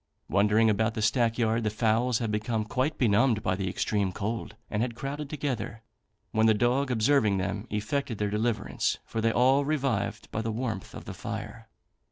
Wandering about the stack yard, the fowls had become quite benumbed by the extreme cold, and had crowded together, when the dog observing them, effected their deliverance, for they all revived by the warmth of the fire.